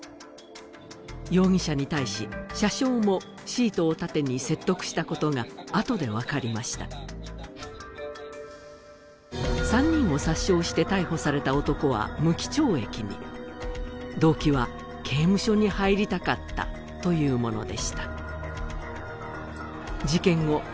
容疑者に対し車掌もシートを盾に説得したことがあとで分かりました３人を殺傷して逮捕された男は無期懲役に動機は「刑務所に入りたかった」というものでした事件後